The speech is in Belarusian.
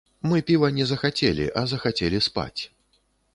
Мы піва не захацелі, а захацелі спаць.